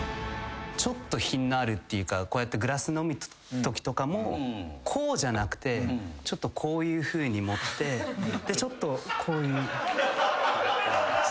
ちょっと品のあるっていうかこうやってグラス飲むときとかもこうじゃなくてちょっとこういうふうに持ってちょっとこういう。